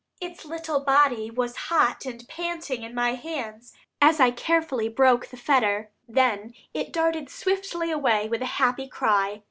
Its little body was hot and panting in my hands, as I carefully broke the fetter. Then it darted swiftly away with a happy cry.